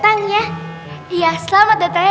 tau nih main lempar lempar aja